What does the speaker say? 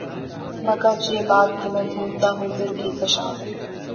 مگر یہ بات کہ میں ڈھونڈتا ہوں دل کی کشاد